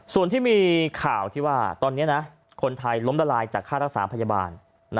ส่วนที่มีข่าวที่ว่าตอนนี้คนไทยล้มละลายจากค่ารักษาพยาบาล